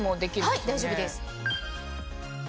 はい大丈夫です。